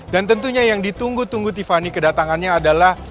dan tentunya yang ditunggu tunggu tiffany kedatangannya adalah